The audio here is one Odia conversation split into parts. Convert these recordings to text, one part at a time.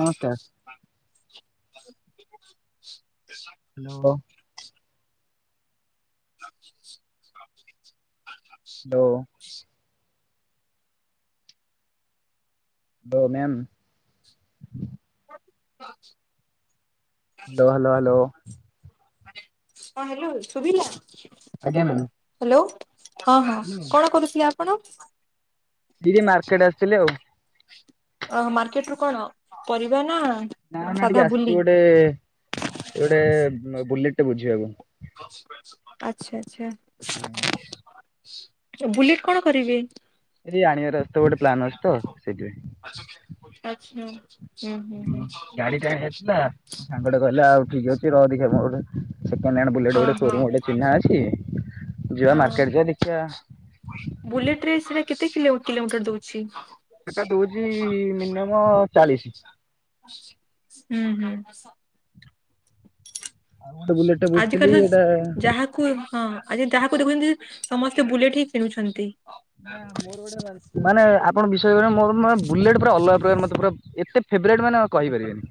ନମସ୍କାର। [inaudible] ହ୍ୟାଲୋ। ହ୍ୟାଲୋ। ଦ ମ୍ୟାମ୍। ହ୍ୟାଲୋ-ହ୍ୟାଲୋ-ହ୍ୟାଲୋ। ହଁ ହ୍ୟାଲୋ ଶୁଭିଲା। ଆଜ୍ଞା ମ୍ୟାମ୍। ହଁ-ହଁ ହ୍ୟାଲୋ କଣ କରୁଥିଲେ ଆପଣ? ଦିଦି ମାର୍କେଟ ଆସିଥିଲେ ଆଉ। ଓ ମାର୍କେଟ ରୁ କଣ ପରିବା ନା ନା-ନା ସାଧା ଟିକେ ଆସିଚୁ ବୁଲି? ଗୋଟେ ଗୋଟେ ବୁଲେଟେ ବୁଝିବାକୁ। ଆଚ୍ଛା-ଆଚ୍ଛା। ହୁଁ। ବୁଲେଟ କଣ କରିବେ? ଏଇ ଆଣିବାର ଗୋଟେ ପ୍ଲନ୍ ଅଛି ତ ସେଇଥିପାଇଁ। ଆଚ୍ଛା ହୁଁ ହୁଁ ହୁଁ ଗାଡି ଟା ହେଇଥିଲା ସାଙ୍ଗଟେ କହିଲା ଆଉ ଠିକ୍ ଅଛି ରହ ଦେଖିବା ମୋର ଗୋଟେ ସେକେଣ୍ଡହାଣ୍ଡ ବୁଲେଟ ଗୋଟେ ଓହୋ ସୋରୁମ ଗଟେ ଚିହ୍ନା ଅଛି। ଯିବା ହଁ ମାର୍କେଟ ଯିବା ଦେଖିବା ବୁଲେଟରେ ସେଟା କେତେ କିଲୋମିଟର ଦଉଛି? ସେଟା ଦଉଛି ମିନିମମ ଚାଳିଶ୍। ହୁଁ-ହୁଁ। ଆଉ ଗୋଟେ ବୁଲେଟ ଟେ ବୁଝିଥିଲି ଆଜିକାଲି ଏଇଟା ତ ଯାହାକୁ ହଁ। ଆଜି ଯାହାକୁ ଦେଖୁଛନ୍ତି ସମସ୍ତେ ବୁଲେଟ ହିଁ କିଣୁଛନ୍ତି। ମୋର ଗୋଟେ ମାନେ ଆପଣ ବିଶ୍ବାସ କରିବେନି ମୋର ବୁଲେଟ୍ ଅଲଗା ପ୍ରକାର ମୋତେ ପୁରା ଏତେ ଫେଭରେଟ୍ ମାନେ କହିପାରିବନି।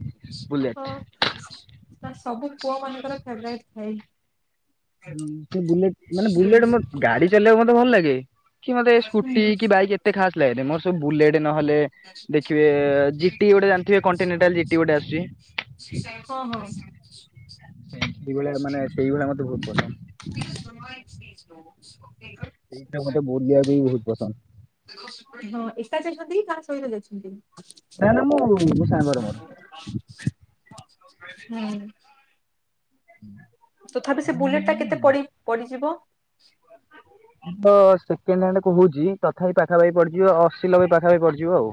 ହ ସବୁ ପୁଅ ମାନଙ୍କର ଫେବାରୀଟେ ଥାଏ। ବୁଲେଟ ମାନେ ବୁଲେଟ ଗାଡି ଚଲେଇବାକୁ ମତେ ଭଲ ଲାଗେ। କି ମତେ ହୁଁ ସ୍କୁଟି କି ବାଇକ୍ ଏତେ ଖାସ ଲାଗେ ମୋର ସବୁ ବୁଲେଟ ନହେଲେ ଦେଖିବେ ଜିଟି ଗୋଟେ ଜାଣିଥିବେ କଣ୍ଟିନେଣ୍ଟାଲ ଜିଟି ଗୋଟେ ଆସୁଚି। ଓ ହୋ। ସେଇଭଳିଆ ମାନେ ସେଇଭଳିଆ ମତେ ବହୁତ ପସନ୍ଦ। ସେଇଟା ମୋତେ ବୁଲିଆ ବି ବହୁତ ପସନ୍ଦ। ହଁ ଏକା ଯାଇଛନ୍ତି କି କାହା ସହିତ ଯାଇଛନ୍ତି? ନା-ନା ମୁଁ ମୋ ସାଙ୍ଗର ମୋର। ହୁଁ। ତଥାପି ସେ ଆପଣଙ୍କୁ ବୁଲେଟ ଟା ବୁଲିବାକୁ ଭଲ କେତେ ଲାଗେନା? ପଡି-ପଡିଯିବ? ସେକେଣ୍ଡହାଣ୍ଡ କହୁଛି ତଥାପି ପା ପାଖାପଖି ପଡିଯିବ ଅଶୀ ନବେ ପାଖାପାଖି ପଡିଯିବ ଆଉ।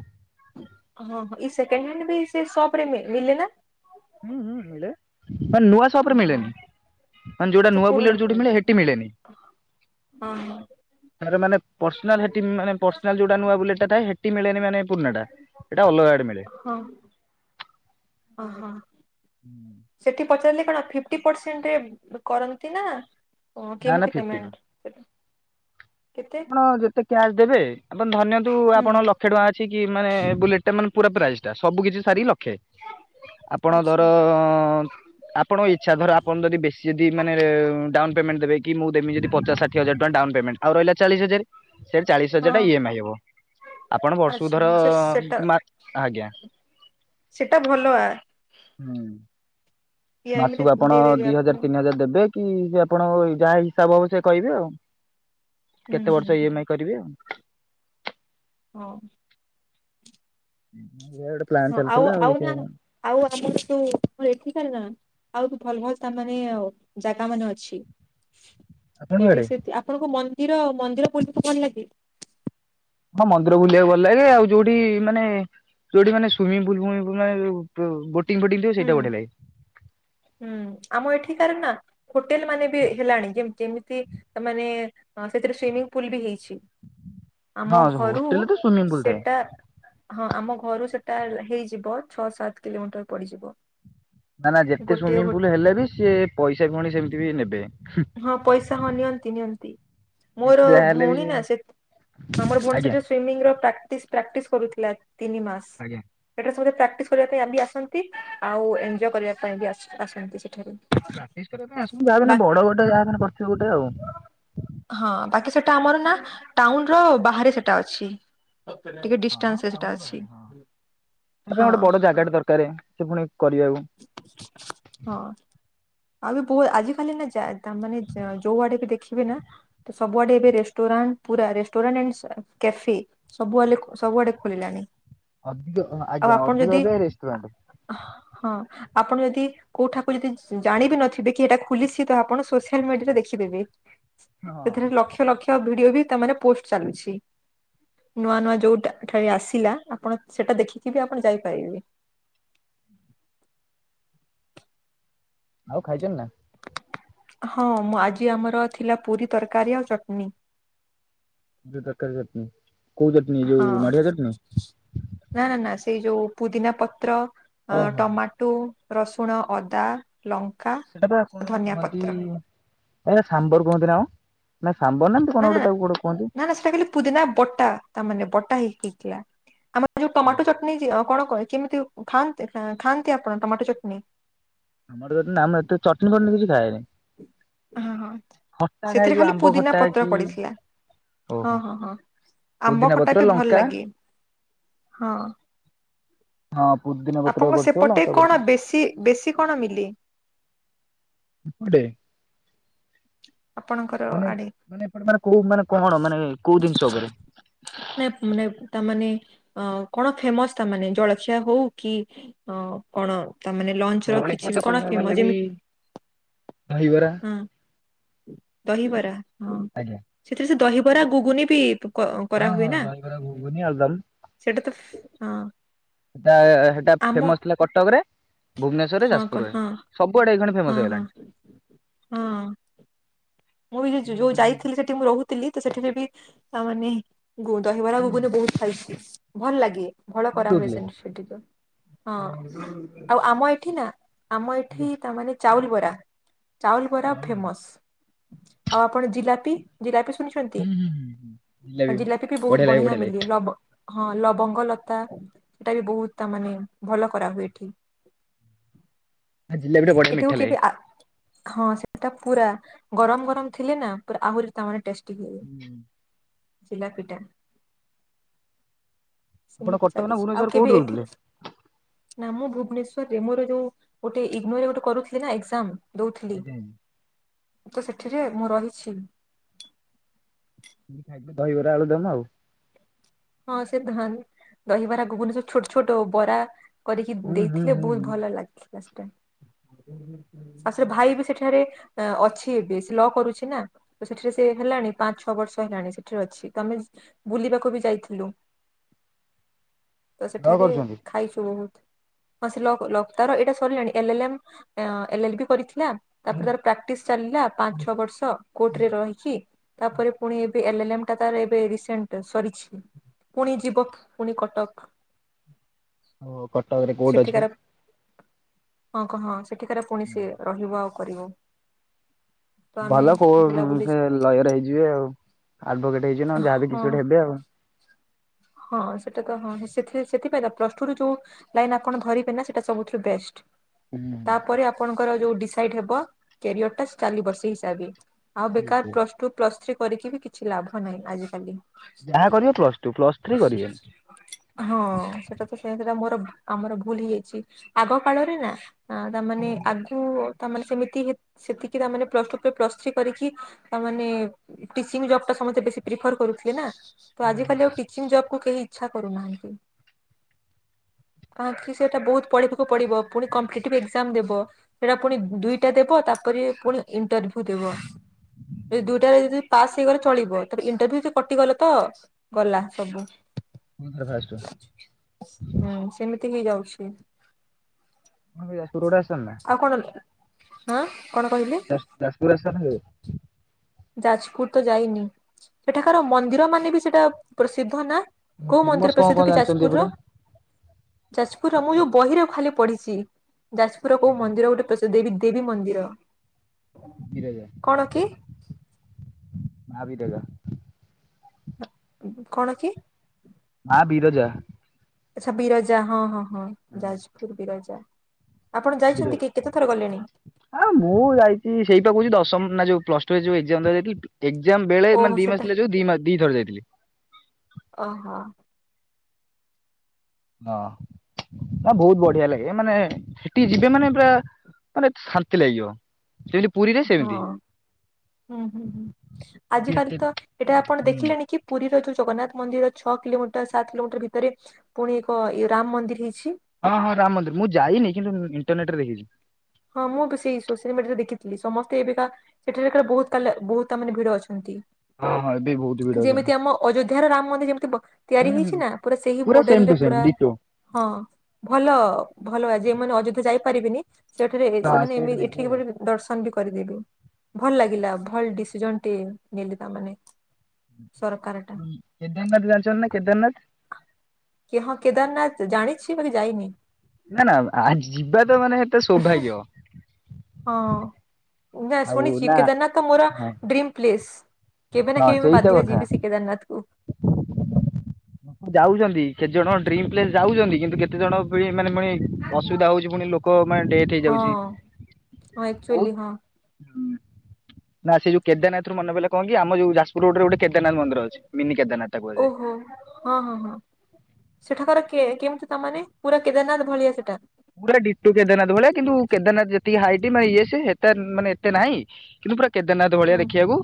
ହଁ ହଁ। ଏଇ ସେକେଣ୍ଡ ହ୍ୟାଣ୍ଡ ବି [unintelligible] ହୁଁ-ହୁଁ ମିିଲେ। ନୂଆ ସପରେ ଓହୋ ମିଳେନି ଆଚ୍ଛା ଯୋଉଟା ନୂଆ ପୁରୁଣା ବଲେଟ ଯୋଉଠି ମିଳେ ସେଠି ମିଳେନି। ହଁ-ହଁ। ନା ପେରସନାଲ ଯୋଉଟା ନୂଆ ବୁଲେଟ ମିଳେନି ମାନେ ପୁଣାଟା ଗାଡ଼େ ମିଳେ। ଓ ହୋ। ପଚାରିଲେ କଣ ଫିଫ୍ଟି ପରସେଣ୍ଟରେ କରନ୍ତି ନା। ଓ ନା ନା କେମିତି ଫିଫ୍ଟିନ୍ ପେମେଣ୍ଟ? କେତେ? ଆପଣ ଯେତେ କ୍ୟାସ୍ ଦେବେ ଆପଣ ଧରିନିୟନ୍ତୁ ହୁଁ ଆପଣ ଲକ୍ଷେ ଟଙ୍କା ଅଛି କି ମାନେ ବୁଲେଟ ଟା ମାନେ ପୁରା ପ୍ରାଇସ୍ ଟା ସବୁ କିଛି କେ ଆପଣ ଧର ଆଚ୍ଛା। ଆପଣଙ୍କ ଇଚ୍ଛା ଧର ଆପଣ ଯଦି ବେଶୀ ଯଦି ମାନେ ଡାଉନ ପେମେଣ୍ଟ ଦେବେ କି ମୁଁବ ଦେବି ପଚାଶ ଷାଠିଏ ହଜାର ଟଙ୍କା ଡାଉନ ପେମେଣ୍ଟ। ରହିଲା ଚାଳିଶ ହଜାର ସେ ଚାଳିଶ ହଜାର ଟା ହଁ ଇ ଏମ ଆଇ ହବ। ଆପଣ ବର୍ଷକୁ ଆଚ୍ଛା ଧର ହଁ ସେ ସେଟା ଆଜ୍ଞା। ସେଟା ଭଲ ଆ ହୁଁ। ଇଏମିରେ ମାସକୁ ଆପଣ ଦେଇଦେବି ଦି ଆପଣ ହଜାର ହୁଁ ତିନି ହଜାର ଦେବେ କି ଆପଣଙ୍କ ଯାହା ହିସାବ ହବ ସେ କହିବେ ଆଉ। ହୁଁ ନକେତେ ବର୍ଷ ଇ ହୁଁ ଏମ୍ ଆଇ କରିବେ ହଁ। ହୁଁ ହଁ ଆଉ ଆଉ ନା ଆଉ ଆମର ତୁ ଏଠିକାର ନା ଆଉ ତୁ ଭଲ ଭଲ ସ୍ଥାନରେ ଆଉ ଜାଗା ମାନ ଅଛି। ଆପଣଙ୍କ ଏଇଠି ଆଡେ? ସେ ଆପଣଙ୍କୁ ମନ ମନ୍ଦିର ମନ୍ଦିର ବୁଲିକୁ ଭଲ ଲାଗେ? ହଁ ମନ୍ଦିର ବୁଲିଆକୁ ଭଲ ଲାଗେ ଆଉ ଯୋଉଠି ମାନେ ଯୋଉଠି ମାନେ ସୁଇମିଂ ପୁଲ୍ ଫୁଇମିିଂ ଫୁଲ [unintelligible] ହୁଁ ହୁଁ ଆମ ଏଠିକାର ନା ହୋଟେଲ ମାନେ ବି ହେଲାଣି ଯେମ୍ ଯେମିତି ତାମାନେ ଅଁ ସେଥିରେ ସୁଇମିଂ ପୁଲ ବି ହେଇଛି। ହଁ ଆମ ଘରୁ ହୋଟେଲରେ ତ ସୁଇମିଂ ପୁଲ ଥାଏ। ସେଟା ହଁ ଆମ ଘରୁ ସେଟା ହେଇଯିବ ଛଅ ସାତ୍‌ କିଲୋମିଟର ପଡିଯିବ। ନା ନା ଯେତେ ଗୋଟେ ସୁଇମିଂ ହୋ ପୁଲ ହେଲେ ବି ସିଏ ପଇସା ପୁଣି ସେମିତି ବି ନେବେ। ହଁ ପଇସା ହଁ ନିଅନ୍ତି ନିଅନ୍ତି। ମୋର ଯାହା ହେଲେ ବି ଭଉଣୀ ସେ ନା ସେଥ୍ ଆମର ଭଉଣୀ ଆଜ୍ଞା ସେଠାରେ ସୁମିଂର ପ୍ରାକ୍ଟିସ ପ୍ରାକ୍ଟିସ କରୁଥିଲା ତିନି ମାସ୍। ଆଜ୍ଞା। ସେଠାରେ ସମତେ ପ୍ରାକ୍ଟିସ କରିବା ପାଇଁ ଆମ୍ବି ଆସନ୍ତି ଆଉ ଏଞ୍ଜୟ କରିବା ପାଇଁ ବି ଆସ ଆସନ୍ତି ସେ ପ୍ରାକ୍ଟିସ କରିବା ପାଇଁ ଆସୁଥିବେ ଯାହା ବି ହେନେ ବଡ ଗୋଟେ ଯାହା ବି ହେନେ କରିଥିବେ ଗୋଟେ ଆଉ। ଟା ଆମର ନା ଟାଉନର ବାହାରେ ସେଟା ଅଛି। ଟିକେ ଡିଷ୍ଟାନ୍ସ ହଁ ରେ ସେଟା ଟାଉନର ଅଛି ବାହାରେ ହଁ। ତାପାଇଁ ହଁ ଗୋଟେ ବଡ ଜାଗାଟେ ଦରକାରେ ସେ ପୁଣି କରିଆକୁ ହଁ। ଆଉ ବି ପୁଅ ଆଜିିକାଲି ନା ଯା ତା ମାନେ ଯ ଯୋଉ ଆଡେ ବି ଦେଖିବେ ନା ତ ସବୁଆଡେ ଏବେ ରେଷ୍ଟୁର୍ ରାଣ୍ଟ ପୁରା ରେଷ୍ଟୁରାଣ୍ଟ ଆଣ୍ଡସ୍ କ୍ୟାଫେ ସବୁଆଲେ ସବୁଆଡେ ଖୋଲିଲାଣି। ଅଧିକ ହଁ ଆଉ ଆଜ୍ଞା। ଆପଣ ଅଧିକ ଯଦି ଏବେ ରେଷ୍ଟୁରାଣ୍ଟ। ହଁ ଆପଣ ଯଦି କୋଉଠାକୁ ଯଦି ଜାଣିବି ନଥିବେ କି ଏଇଟା ଖୁଲିଛି ତ ଆପଣ ସୋସିଆଲ ମିଡିଆରେ ଦେଖି ଖିଦେବେ। ହଁ ସେଥିରେ ଲକ୍ଷ ଲକ୍ଷ ଭିଡିଓ ବି ତାମାନେ ପୋଷ୍ଟ ଚାଲୁଛି। ନୂଆ ନୂଆ ଯୋଉଟା ଠାରେ ଆସିଲା, ଆପଣ ସେଟା ଦେଖିକି ବି ଆପଣ ଯାଇପାରିବେ। ଆଉ ଖାଇଚନ୍ତି ନା? ହଁ ମୁଁ ଆଜି ଆମର ଥିଲା ପୁରୀ, ତରକାରୀ ଆଉ ଚଟନି। ପୁରୀ, ତରକାରୀ, ଚଟନି। କୋଉ ଚଟନି ହଁ ଯୋଉ ନଡ଼ିଆ ଚଟନି? ଏଇ ଯୋଉ ପୁଦିନା ପତ୍ର, ଅଁ ଓହୋ ଟମାଟୋ, ରସୁଣ, ଅଦା ଲଙ୍କା ସେଟା ବା କଣ ଗୋଟେ ଧନିଆ କୁହନ୍ତି ପତ୍ର। ସେଟା ବା ସାମ୍ବର କୁହନ୍ତି ନା କଣ? ନା ସାମ୍ବର ଏମିତି କଣ ନା ନା ଗୋଟେ ତାକୁ ଗୋଟେ କୁହନ୍ତି। ନା ନା ସେଟା ଖାଲି ପୁଦିନା ବଟା, ତା ମାନେ ବଟ୍ ଟା ହେଇକି ହେଇଥିଲା। ଆମର ଯୋଉ ଟମାଟୋ ଚଟନି ଯେ କଣ କହେ କେମିତି ଖାଆନ୍ତି ଖାଆନ୍ତି ଆପଣ ଟମାଟୋ ଚଟନି? ଆମର ଯଦି ନାଁ ମୁଁ ଏତେ ଚଟନି ଫଟନି କିଛି ଖାଏନି। ହଁ ହଁ ଖଟା ଖାଏ ସେଥିରେ ଯୋଉ ଖାଲି ଆମ୍ବ ପୁଦିନା ଖଟା ପତ୍ର କି ପଡିଥିଲା। ହଁ ଓହୋ। ହଁ ହଁ ଆମ୍ବ ପୁଦିନା ଖଟା ପତ୍ର ଏତେ ଭଲ୍‌ ଲଙ୍କା ଲାଗେ ହଁ। ହଁ ପୁଦିନା ପତ୍ର ଆପଣଙ୍କ ପଡିଥିବ, ସେପଟେ ଲଙ୍କା କଣ ବେଶୀ ବେଶୀ କଣ ମିଲେ ପଡ଼ିଥବ। ଏପଟେ? ଆପଣଙ୍କର ମାନେ ଆଡେ? ମାନେ ଆପଣ ମାନେ କୋଉ ମାନେ କଣ ମାନେ କୋଉ ଜିନିଷ ଉପରେ? ନାଇ ମାନେ ତାମାନେ ଅଁ କଣ ଫେମସ ତା ମାନେ ଜଳଖିଆ ହଉ କି ଅ କଣ ତା ମାନେ ଲଞ୍ଚର ଜଳଖିଆ କିଛି ତ ବି କଣ କହିବାକୁ ଫେମ ଗଲେ ବି ଯେମି ଦହିବରା ହୁଁ। ଦହିବରା? ହଁ ଆଜ୍ଞା ସେଥିରେ ସେ ଦହିବରା ଗୁଗୁନି ବି ପ କ-କରା ହଁ ହୁଏ ହଁ ନା? ଦହିବରା ଘୁଗୁନି ଆଳୁଦମ୍ ସେଟା ତ ହଁ। ଟା ସେଟା ଆମ ଫେମସ ଥିଲା କଟକରେ ଭୁବନେଶ୍ୱରରେ ହଁ କ ଯାଜପୁରରେ ହଁ ସବୁଆଡେ ଏଇକେନା ହଁ ଫେମସ ହଁ। ହେଇଗଲାଣି ହଁ । ମୁଁ ବି ଯେ ଯ ଯୋଉ ଯାଇଥିଲି ସେଠି ମୁଁ ରହୁଥିଲି ତ ସେଥିରେ ବି ଆ ମାନେ ଗୁ ଦହିବରା ଗୁଗୁନି ବହୁତ ଖାଇଛି ଭଲ ଲାଗେ ଭଳ କରା ହୁଏ ସେମିତି ସେଠିକା । ହଁ ଆଉ ଆମ ଏଠି ନା ଆମ ଏଠି ତାମାନେ ଚାଉଲି ବରା । ଚାଉଲି ବରା ଫେମସ ଆଉ ଆପଣ ଜିଲାପି ଜିରାପି ଶୁଣୁଛନ୍ତି ଆଉ ଜିଲାପି ବି ବହୁତ ବଢିଆ ମିଲେ ଲବ ହଁ ଲବଙ୍ଗ ଲତା ସେଇଟା ବି ବହୁତ ତା ମାନେ ଭଲ କରାହୁଏ ଏଠି । ଆ ଜିଲାପି ଟା ବଢିଆ ଏଠିକୁ ମିଠା କେବେ ଲାଗେ। ଆ ହଁ ସେଇଟା ପୁରା ଗରମ ଗରମ ଥିଲେ ନା ପୁରା ଆହୁରି ତା ମାନେ ଟେଷ୍ଟ ହୁଁ ଜିଲାପି ଟା। ଆପଣ ସେମିତି କଟକ ନା ଚାଲିଛି ଭୁବନେଶ୍ୱର ଆଉ କୋଉଠି କେବେ ଏଠି ରହୁଥିଲେ? ନା ମୁଁ ଭୁବନେଶ୍ଵରରେ ମୋର ଯୋଉ ଗୋଟେ ଇଗ୍ନୋର ଗୋଟେ କରୁଥିଲି ନା ଏକ୍ସାମ ଦଉଥିଲି ତ ସେଠିରେ ମୁଁ ରହିଛି। ଦହିବରା ଆଳୁଦମ୍ ଆଉ ହଁ ସେ ଧାନ୍ ଦହିବରା ଗୁଘୁନି ସବୁ ଛୋଟ ଛୋଟ ବରା କରିକି ହୁଁ ହୁଁ ଦେଇଥିଲେ ହୁଁ ବହୁତ୍ ହୁଁ ଭଲ ଲାଗିଥିଲା ସେଟା ଆଉ ସେଠି ଭାଇ ବି ସେଠାରେ ଅ ଅଛି ଏବେ ସେ ଲ କରୁଛି ନା ତ ସେଠାରେ ସେ ହେଲାଣି ପାଞ୍ଚ୍ ଛଅ ବର୍ଷ ହେଲାଣି ସେଠାରେ ଅଛି ତମେ ବୁଲିବାକୁ ବି ଯାଇଥି ହେଲୋ ତ ଜବ୍ ସେଠାରେ କରୁଛନ୍ତି? ଖାଇଛୁ ବହୁତ୍। ହଁ ସେ ଲ କୁ ଲ ତାର ଏଇଟା ସରିଲାଣି L L M, L L B କରିଥିଲା ତାପରେ ତାର ପ୍ରାକ୍ଟିସ୍ ଚାଲିଲା। ପାଞ୍ଚ ଛଅ ବର୍ଷ କୋର୍ଟରେ ରହିକି ତାପରେ ପୁଣି ଏବେ ଏଲ୍ ଏଲ୍ ମ୍ ଟା ତାର ଏବେ ରିସେଣ୍ଟ ସ କରିଛି। ପୁଣି ଯିବକ୍ ପୁଣି କଟକ। ଓ କଟକରେ କୋଟ୍ ଅଛି ସେଠିକାର ବା? ହଁ କହ ହଁ ସେଠିକାର ପୁଣି ସେ ରହିବ ଆଉ କରିବ। ତ ଆମେ ଭଲ କୋଉ ବୁଲାବୁଲି ଉଁ ଲୟର ହେଇଯିବ ଆଉ। ଆଡଭୋକେଟ ହେଇଯିବେ ନହେଲେ ଯାହା ବି ହଁ କିଛି ଗୋଟେ ହେବେ ଆଉ ହଁ ସେଟା ତ ହଁ ସେଥିରେ ସେଥିପାଇଁ ତ ପ୍ଲସ ଟୁ ରୁ ଯୋଉ ଲାଇନ ଆପଣ ଧରିବେ ନା ସେଟା ସବୁଠୁ ବେଷ୍ଟ। ତାପରେ ଆପଣଙ୍କର ଯୋଉ ଡିସାଇଡ ହେବ କ୍ୟାରିଅରଟା ଚାଲିବ ସେହି ହିସାବରେ। ଆଉ ବେକାର ପ୍ଲସ ଟୁ ପ୍ଲସ ଥ୍ରୀ କରିକି ବି କିଛି ଲାଭ ନାହିଁ ଆଜିିକାଲି। ଯାହା କରିବ ପ୍ଲସ ଟୁ ପ୍ଲସ୍ ହଁ ସେଟା ତ ସେ ମୋର ଆମର ଭୁଲ୍ ହେଇଯାଇଛି, ଆଗ କାଳରେ ନା ତାମାନେ ଆଗୁ ତା ମାନେ ସେମିତି ହି ସେତିକି ତା ମାନେ ପ୍ଲସ୍ ଟୁ ପରେ ପ୍ଲସ ଥ୍ରୀ କରିକି ତାମାନେ ଟିଚିଂ ଜବ ଟା ସମସ୍ତେ ବେଶି ପ୍ରିଫର କରୁଥିଲେ ନା ତ ଆାଲି ଆଉ ଟି ଟିଚିଂ ଜବ୍ କୁୁ କେହି ଇଚ୍ଛା କରୁନାହାନ୍ତି। କାହିଁକି ସେଇଟା ବହୁତ ପଢିବାକୁ ପଡିବ ପୁଣି କମ୍ପିଟେଟିଭ୍ ଏକ୍ସାମ୍ ଦେବ ସେଇଟା ପୁଣି ଦୁଇଟା ଦେବ ତା ତାପରେ ପୁଣି ଇଣ୍ଟରଭ୍ୟୁ ଦେବ ଏ ଦୁଇଟାରେ ଯଦି ପାସ୍ ହେଇଗଲେ ଚଳିବ ତେବେ ଇଣ୍ଟରଭ୍ୟୁରୁ କଟିଗଲ ତ ଗଲା ସବୁ [unintelligible] କେହି ଯାଉଛି? ହଁ ଭାଇ ଆଜି [unintelligible] ଆସ ନା। ହଁ। କଣ କହିଲେ ଯାଜ ଯାଜପୁର ଆସିଛ ନା କେବେ? ଯାଜପୁର ତ ଯାଇନି ସେଠାକାର ମନ୍ଦିର ମାନେ ବି ସେଟା ପ୍ରସିଦ୍ଧ ନା କୋଉ ଫେମସ ମନ୍ଦିର କଣ ପ୍ରସିଦ୍ଧ କଣ କି ଜାଣିଛନ୍ତି ଯାଜପୁରର? ଏପଟେ? ଯାଜପୁର ଆମ ଯୋଉ ବହିରେ ଖାଲି ପଢିଛି ଯାଜପୁର କୋଉ ଆଜ୍ଞା ମନ୍ଦିର ଗୋଟେ ପ୍ର ଦେବୀ ଦେବୀ ମନ୍ଦିର। ବିରଜା କଣ କି? [unintelligible] ଆ ଉ କଣ କି? ମା ବିରଜା। ଆଛା ବିରଜା ହଁ ହଁ ହଁ ଯାଜପୁର ବିରଜା। ଆପଣ ବିର ଯାଇଛନ୍ତି କି କେତେ ଥର ଗଲେଣି ଆଉ ମୁଁ ଯାଇଛି ସେଇଟା କହୁଛି ଦଶମ ନା ଯୋଉ ପ୍ଲସ ଟୁ ଯୋଉ ଏକ୍ଜାମ ଦବାକୁ ଯାଇଥିଲି ଏକ୍ଜାମ ବେଳେ ଓହୋ ମାନେ ଦି କ ସେଟା ଥିଲା ଯୋଉ ଦି ମାସ ଦି ଥର ଯାଇଥିଲି। ଓହୋ ହଁ। ନା ବହୁତ ବଢିଆ ଲାଗେ ମାନେ ସେଠିକି ଯିବେ ମାନେ ପୁରା ମାନେ ଶାନ୍ତି ଲାଗିବ। ଯେମିତି ପୁରୀରେ ହଁ ସେମିତି ହୁଁ ହୁଁ ହୁଁ ସେଠି ଆଜ କାଲି ଏତେ ତ ଏଇଟା ଆପଣ ହୁଁ ଦେଖିଲେଣି କି ପୁରୀର ଯୋଉ। ଜଗନ୍ନାଥ ମନ୍ଦିରର ଛଅ କିଲୋମିଟର ସାତ କିଲୋମିଟର ଭିତରେ ପୁଣି ଏକ ରାମ ମନ୍ଦିର ହେଇଛି। ହଁ ହଁ ରାମ ମନ୍ଦିର ମୁଁ ଯାଇନି କିନ୍ତୁ ଇଣ୍ଟରନେଟ ରେ ଦେଖିଛି। ହଁ ମୁଁ ବି ସେଇ ସୋସିଆଲ ମିଡିଆରେ ଦେଖିଥିଲି ସମସ୍ତେ ଏବେକାା ସେଠାରେ ବହୁତ କା ବହୁତ ତା ମାନେ ଭିଡ ଅଛନ୍ତି। ହଁ ଏବେ। ବହୁତ ଭିଡ ଅଛନ୍ତି। ଯେମିତି ଆମ ଅଯୋଧ୍ୟ ର ରାମ ମନ୍ଦିର ଯେମିତି ବ ହୁଁ ତିଆରି ହୁଁ ହେଇଛି ନା ପୁରା ସେଇ ସେମ ମଡେଲ ରେ ଟୁ ସେମ ପୁରା। ଡିଟୋ। ହଁ ଭଲ ଭଲ। ଯଉମାନେ ଅଯୋଧ୍ୟା ଯାଇପାରିବେିନି ସେଠାରେ ଏ ହଁ ସେମାନେ ସେଇଠି ଏମିତି ଦେଖିବେ। ଏଠିକି ଦର୍ଶନ ବି କରିପାରିବେ ଭଲ ଲାଗିଲା ଭଲ ଡିସିଜନ ଟିଏ ନେଲେ ତାମାନେ। ସରକାର ଟା କେଦାରନାଥ ଜାଣିଛନ୍ତି ନା କେଦାରନାଥ। କି ହଁ କେଦାରନାଥ ଜାଣିଛି ବାକି ଯାଇନି। ନା ନା ଆ ଯିବା ତ ମାନେ ଏତେ ସୌଭାଗ୍ୟ। ହଁ ନା ଆଉ ଶୁଣିଛି ନା କେଦାରନାଥ ମୋର ହଁ ଡ୍ରିମ୍ ପ୍ଲେସ୍। କେବେ ନା ହଁ କେବେ ମୁଁ ସେଇତ ବାଧ୍ୟ କଥା। ଯିବି ସେ କେଦାରନାଥ କୁ। ଯାଉଛନ୍ତି କେତେ ଜଣ ଡ୍ରିମ ପ୍ଲେସ୍ ଯାଉଛନ୍ତି କିନ୍ତୁ କେତେ ଜଣ ପୁଣି ମାନେ ପୁଣି ଅସୁବିଧା ହଉଛି ପୁଣି ଲୋକ ମାନେ ଡେଥ୍ ହଁ ହେଇଯାଉଛି। ହଁ ବହୁତ ଏକଚୁଲି ହଁ। ନା ସେ ଯୋଉ କେଦାରନାଥରୁ ମନେ ପଇଲା କଣ କି ଆମ ଯୋଉ ଯାଜପୁର ରୋଡରେ ଗୋଟ କେଦା ଓହୋ ହଁ ହଁ ହଁ ସେଠାକାର କିଏ? କେମିତି ତାନେ ପୁରା କେଦାରନାଥ ଭଳିଆ ସେଟା। ପୁରା ଦିଟୋ କେଦାରନାଥ ଭଳିଆ କିନ୍ତୁ କେଦାରନାଥ ଯେତିକି ହାଇଟ୍ ମାନେ ଇଏ ସେତେ ମାନେ ଏତେ ନାହିଁ। କିନ୍ତୁ ପୁରା କେଦାରନାଥ ହୁଁ ଭଳିଆ ଦେଖିବାକୁ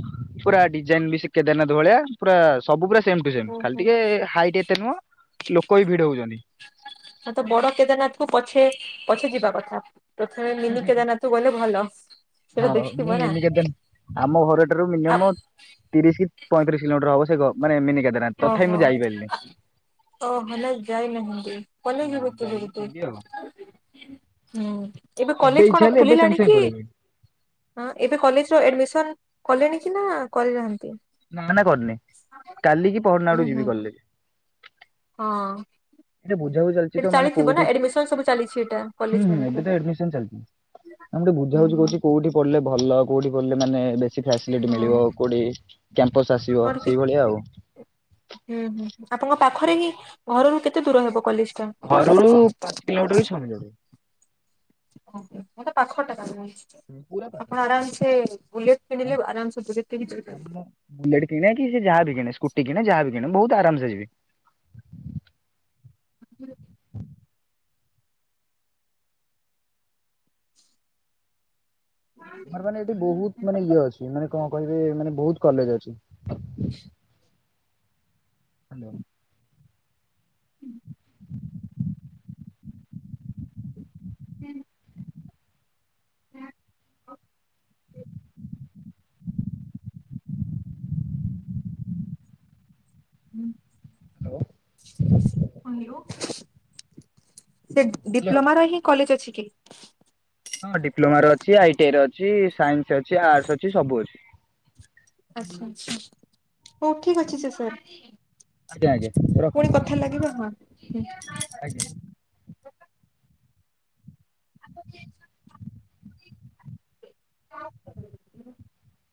ପୁରା ଡିଜାଇନ ବି ସେ କେଦାରନାଥ ଭଳିଆ ପୁରା ସବୁ ପୁରା। ସେମ୍ ଟୁ ସେମ୍ ହୁଁ ଖାଲି ହୁଁ ଟିକିଏ ହାଇଟ ଏତେ ନୁହଁ ଲୋକ ବି ଭିଡ ହଉଛନ୍ତି। ହ ତ ବଡ କେଦାରନାଥକୁ ପଛେ ପଛେ ଯିବା କଥା। ପ୍ରଥମେ ମିନି କେଦାରନାଥକୁ ଗଲେ ଭଲ। ସେଟା ହଁ ଦେଖିଥିବ ମୁଁ ନା ମିନି କେଦାର ଆମ ଘର ଏଠାରୁ ଆ ମିନିୟମ ତିରିଶ କି ପଇଁତିରିଶ କିଲୋମିଟର ହବ। ଦେଖ ମିନି କେଦାରନାଥ ଓ ତଥାପି ହୋ ମୁଁ ଯାଇପାରିଲିନି। ଓ ହେଲା ଯାଇ ନାହନ୍ତି। ପଳେଇ ହଁ ଯିବ କି ଯାଇନି ଘରକୁ। ଯିବି ଆଉ ହୁଁ ଏବେ କଲେଜ ଇଚ୍ଛା କଣ ହେଲେ ଏବେ ସାଙ୍ଗେ ଖୋଲିଲାଣି ସାଙ୍ଗେ କି ପଳେଇବି ହଁ ଏବେ କଲେଜ ର ଆଡମିସନ କଲେଣି କି ନା କରିନାହାନ୍ତି? ନା ନା କରିନି କାଲି କି ପହରନା ଉୁଁ ଆଡୁ ହୁଁ ଯିବି କଲେଜ। ହଁ। ଏଇଟା ବୁଝାବୁଝି ଚାଲିଛି ତ ସେଠି ମାନେ ଚାଲିଥିବ ନା କୋଉଠି ନ ଆଡମିନ ସବୁ ଚାଲିଛି ଏଟା କଲେଜ ମାନଙ୍କୁ। ଆମେ ଗଟେ ହୁଁ ବୁଝା ହୁଁ ବୁଝି ହଉଛି କହରୁଛି କୋଉଠି ପଡିଲ ଭଲ କଉଠିପଢିଲେ ମାନେ ବେ। କିଛି ଫସିଲିଟି ହଁ ମିଳିବ କୋଉଠି କ୍ୟାମ୍ପସ ଆସିବ ମୋର କି ସେଇଭଳିଆ ଆଉ। ହୁଁ ହୁଁ ଆପଣଙ୍କ ପାଖରେ ହିଁ ଘରରୁ କେତେ ଦୂର ହବ କଲେଜ୍। ଘରୁ ଉ ପାଞ୍ଚ କିଲୋମିଟର କି ଛଅ କିଲୋମିଟର। ଓହୋ ତ ମାନେ ପାଖଟା ତାହାଲେ। ପୁରା ପାଖ। ଆପଣ ଆରାମସେ ବୁଲେଟ କିଣିଲେ ଆରାମସ ବୁଲେଟ ରେ ଯିବେ। ଆମ ବୁଲେଟ କିଣେ ସେ ଯାହାବି କିଣେ ସ୍କୁଟି କିଣେ ଯାହାବି କିଣେ ବହୁତ ଆରାମ ସେ ଯିବି। ଆରେ ମାନେ ଏଠି ବହୁତ ମାନେ ଇଏ ଅଛି ମାନେ କଣ କହିବେ ମାନେ ବହୁତ କଲେଜ ଅଛି। ହାଲୋ । ହୁଁ। [unintelligible] ହୁଁ ହ୍ୟାଲୋ। ହେଲୋ। ସେ ହ୍ୟାଲୋ। ଡିପ୍ଲୋମାର ହିଁ କଲେଜ ଅଛି କି। ହଁ ଡିପ୍ଲୋମ ର ଅଛି ଆଇଟିଆଇ ର ଅଛି ସାଇନ୍ସ ଅଛି ଆର୍ଟ୍ସ ଅଛି ସବୁ ଅଛି। ଆଚ୍ଛା ଆଚ୍ଛା ହଉ ଠିକ ଅଛି ସେ ଆଜ୍ଞା ସାର୍। ଆଜ୍ଞା ରଖ ପୁଣି କଥା ଲାଗିବ ହଁ ହୁଁ। ଆଜ୍ଞା। [unintelligible] [unintelligible]